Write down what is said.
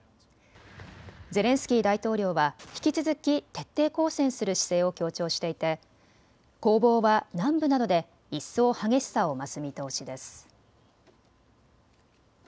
ゼレンスキー大統領は引き続き徹底抗戦する姿勢を強調していて攻防は南部などで一層激しさを増す見通しです。